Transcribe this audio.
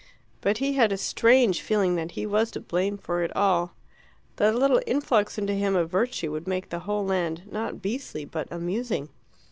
But he had a strange feeling that he was to blame for it all; that a little influx into him of virtue would make the whole land not beastly but amusing.